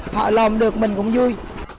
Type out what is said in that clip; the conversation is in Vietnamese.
họ làm được mình cũng vui